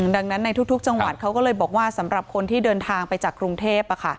ดังนั้นในทุกจังหวัดเขาก็เลยบอกว่าสำหรับคนที่เดินทางไปจากกรุงเทพ